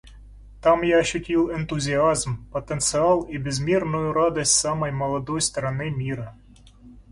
Там я ощутил энтузиазм, потенциал и безмерную радость самой молодой страны мира.